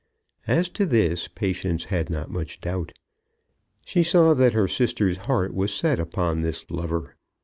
As to this Patience had not much doubt. She saw that her sister's heart was set upon this lover.